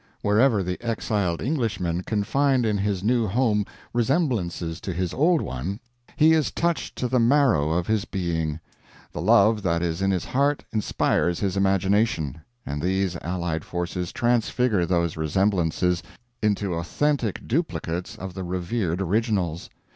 Wherever the exiled Englishman can find in his new home resemblances to his old one, he is touched to the marrow of his being; the love that is in his heart inspires his imagination, and these allied forces transfigure those resemblances into authentic duplicates of the revered originals.